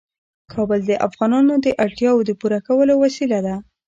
کابل د افغانانو د اړتیاوو د پوره کولو وسیله ده.